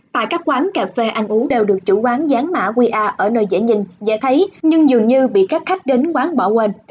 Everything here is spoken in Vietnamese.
tại các quán cà phê ăn uống đều được chủ quán dán mã qr ở nơi dễ nhìn dễ thấy nhưng dường như bị các khách đến quán bỏ quên